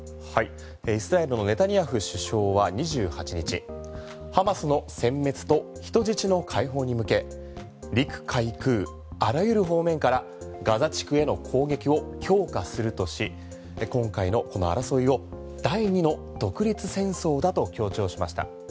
イスラエルのネタニヤフ首相は２８日ハマスの殲滅と人質の解放に向け陸海空あらゆる方面からガザ地区への攻撃を強化するとし、今回のこの争いを第２の独立戦争だと強調しました。